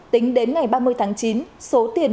tính đến ngày ba mươi tháng chín số tiền